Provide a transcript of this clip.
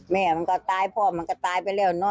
แม่มันก็ตายพ่อมันก็ตายไปแล้วเนอ